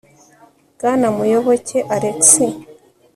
bwana muyoboke alex